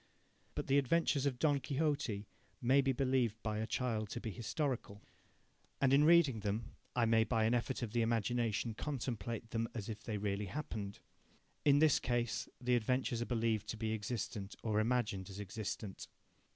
But the adventures of Don Quixote may be believed by a child to be historical. And in reading them I may by an effort of the imagination contemplate them as if they really happened. In this case, the adventures are believed to be existent or imagined as existent.